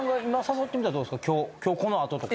今日この後とか。